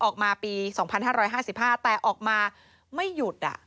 ออกมาปี๒๕๕๕แต่ออกมาไม่หยุด